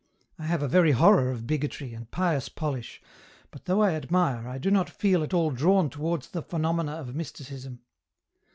I have a very horror of bigotry, and pious polish, but though I admire, I do not feel at all drawn towards the phenomena of Mysticism.